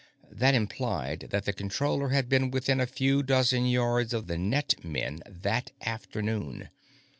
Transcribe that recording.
That implied that the Controller had been within a few dozen yards of the net men that afternoon.